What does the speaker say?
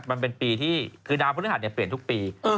มันเป็นปีที่คือดาวพลังหัดเนี่ยเปลี่ยนทุกปี